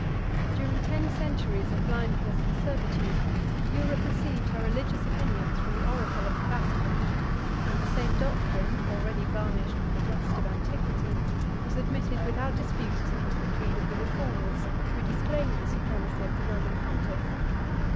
During ten centuries of blindness and servitude, Europe received her religious opinions from the oracle of the Vatican; and the same doctrine, already varnished with the rust of antiquity, was admitted without dispute into the creed of the reformers, who disclaimed the supremacy of the Roman pontiff.